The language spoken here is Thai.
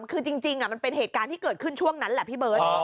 คือจริงมันเป็นเหตุการณ์ที่เกิดขึ้นช่วงนั้นแหละพี่เบิร์ต